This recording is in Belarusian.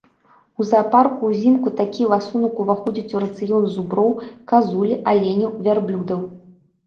У заапарку ўзімку такі ласунак уваходзіць у рацыён зуброў, казулі, аленяў, вярблюдаў.